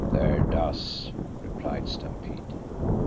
"There does," replied Stampede.